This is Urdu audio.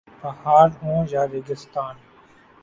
پہاڑ ہوں یا ریگستان